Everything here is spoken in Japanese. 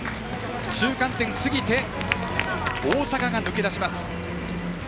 中間点を過ぎて大阪が抜け出します。